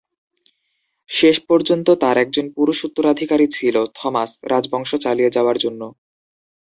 শেষ পর্যন্ত তার একজন পুরুষ উত্তরাধিকারী ছিল, থমাস, রাজবংশ চালিয়ে যাওয়ার জন্য।